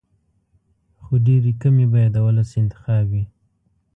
خو ډېرې کمې به یې د ولس انتخاب وي.